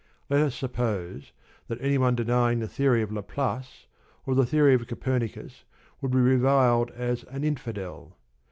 Let us suppose that any one denying the theory of Laplace or the theory of Copernicus would be reviled as an "Infidel."